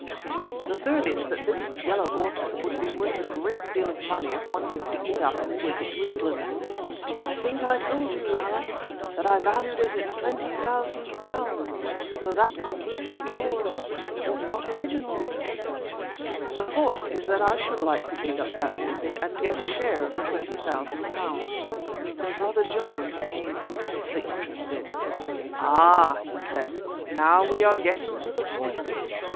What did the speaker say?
"The third is that this yellow orchid would be worth a great deal of money if one could dig it up and take it to England." "I think I told you, Allan, that I valued it at £20,000, so that conclusion of yours is not original." "The fourth is that I should like to dig up that orchid and get a share of the £20,000." Brother John became intensely interested. "Ah!" he said, "now we are getting to the point.